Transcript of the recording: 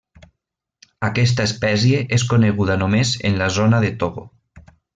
Aquesta espècie és coneguda només en la zona de Togo.